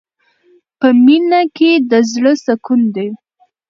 په مینه کې د زړه سکون دی.